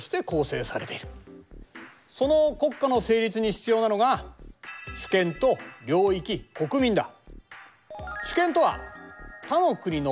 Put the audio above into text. その国家の成立に必要なのが主権と領域国民だ。